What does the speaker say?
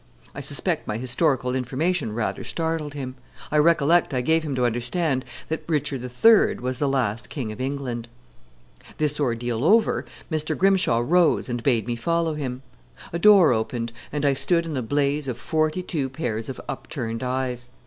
I suspect my historical information rather startled him. I recollect I gave him to understand that Richard III was the last king of England. This ordeal over, Mr. Grimshaw rose and bade me follow him. A door opened, and I stood in the blaze of forty two pairs of upturned eyes.